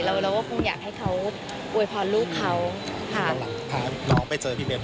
เราก็คงอยากให้เขาอวยพรลูกเขา